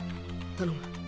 頼む。